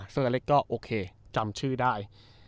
เซอเล็กก็จำชื่อได้